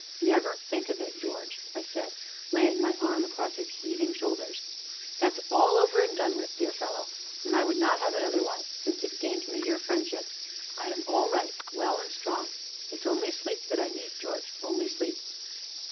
"Never think of it, George," I said, laying my arm across his heaving shoulders; "that is all over and done with, dear fellow, and I would not have it otherwise, since it gained me your friendship. I am all right, well and strong; it is only sleep that I need, George, only sleep."